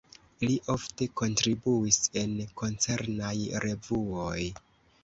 Li ofte kontribuis en koncernaj revuoj.